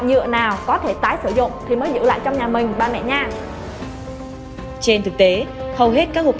nhựa nào có thể tái sử dụng thì mới giữ lại trong nhà mình ba mẹ nhà trên thực tế hầu hết các hộp